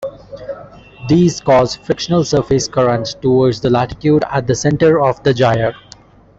These cause frictional surface currents towards the latitude at the center of the gyre.